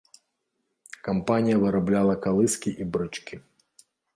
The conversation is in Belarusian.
Кампанія вырабляла калыскі і брычкі.